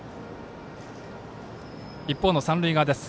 一方の三塁側です。